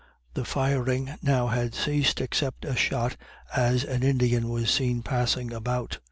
The firing now had ceased, except a shot as an Indian was seen passing about.